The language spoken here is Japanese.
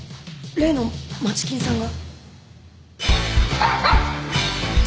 例の街金さんが？